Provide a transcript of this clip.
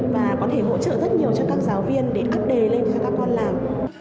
và có thể hỗ trợ rất nhiều cho các giáo viên để ấp đề lên cho các con làm